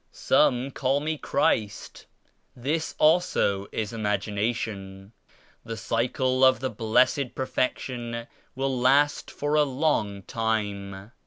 Some call me Christ This also is imagination. The Cycle of the Blessed Perfection will last for a long time.